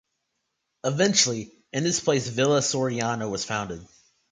Eventually, in its place Villa Soriano was founded.